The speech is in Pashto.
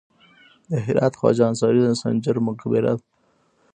د هرات خواجه انصاري د سنجر مقبره ده